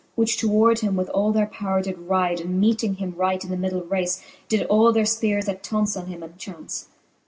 Which towards him with all their powre did ryde. And meeting him right in the middle race, Did all their ipeares at once on him enchace.